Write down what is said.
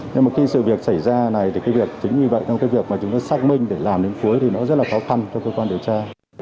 nhưng mà khi sự việc xảy ra này thì cái việc chính vì vậy trong cái việc mà chúng tôi xác minh để làm đến cuối thì nó rất là khó khăn cho cơ quan điều tra